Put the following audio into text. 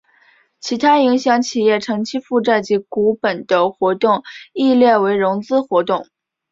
其他影响企业长期负债及股本的活动亦列为融资活动。